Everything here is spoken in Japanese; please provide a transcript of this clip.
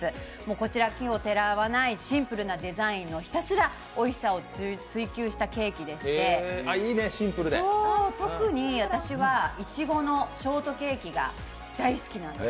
こちら奇をてらわないシンプルなデザインのおいしさを追求したケーキでして特に私はいちごのショートケーキが大好きなんです。